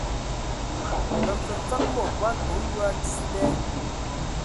Mfəfəg mod wa kə a oyoa dis da.